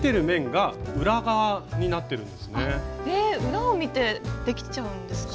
裏を見てできちゃうんですか？